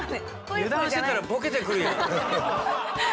油断してたらボケてくるやん。